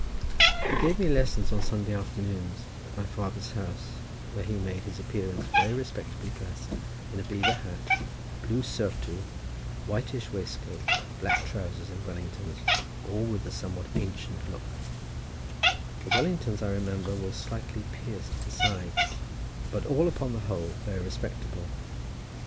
He gave me lessons on Sunday afternoons, at my father's house, where he made his appearance very respectably dressed, in a beaver hat, blue surtout, whitish waistcoat, black trowsers and Wellingtons, all with a somewhat ancient look—the Wellingtons I remember were slightly pieced at the sides—but all upon the whole very respectable.